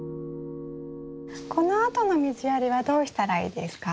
このあとの水やりはどうしたらいいですか？